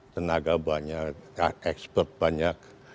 tenaga banyak expert banyak